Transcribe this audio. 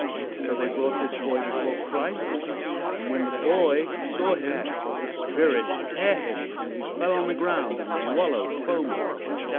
So they brought this boy before Christ, and when the boy saw him, the spirit tare him, and he fell on the ground and "wallowed, foaming."